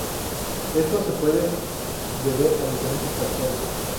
Esto se puede deber a diferentes factores.